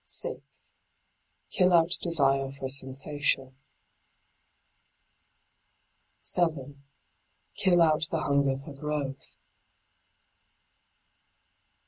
6. Kill out desire for sensation. 7. Kill out the hunger for growth.